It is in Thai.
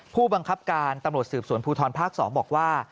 ผู้บังคับการตำรวจสืบสวนภูทรภาค๒บอกว่า